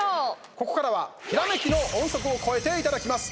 ここからは、ひらめきの音速を超えていただきます。